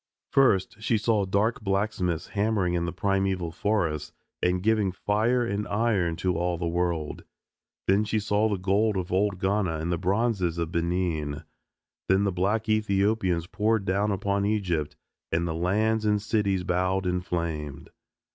First she saw dark blacksmiths hammering in the primeval forests and giving fire and iron to all the world. Then she saw the gold of old Ghana and the bronzes of Benin. Then the black Ethiopians poured down upon Egypt and the lands and cities bowed and flamed.